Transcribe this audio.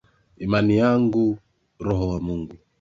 Imani yangu roho wa Mungu